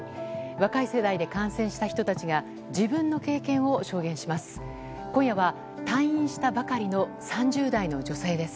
若い世代で感染した人たちが自分の経験を証言します。